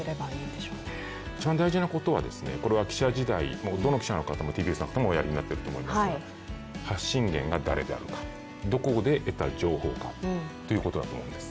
一番大事なことは、記者時代どの記者の方も、ＴＢＳの方もおやりになっていると思うんですけれども発信源が誰であるか、どこで得た情報かということだと思うんです。